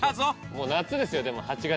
もう夏ですよ８月。